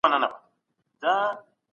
د سولي او ثبات له پاره کار وکړئ.